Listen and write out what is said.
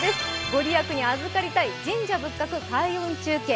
ご利益にあずかりたい神社仏閣開運中継。